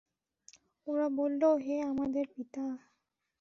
ওরা বলল, হে আমাদের পিতা!